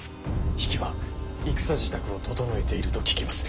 比企は戦支度を調えていると聞きます。